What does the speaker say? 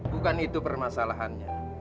bukan itu permasalahannya